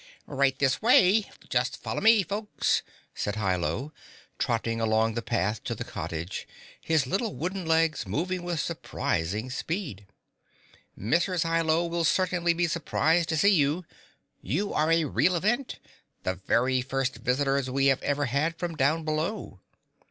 "Right this way! Just follow me, folks," said Hi Lo, trotting along the path to the cottage, his little wooden legs moving with surprising speed. "Mrs. Hi Lo will certainly be surprised to see you. You are a real event the very first visitors we have ever had from down below."